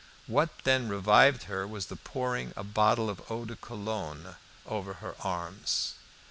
What then revived her was pouring a bottle of eau de cologne over her arms.